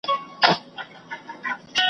پړ مي که مړ مي که `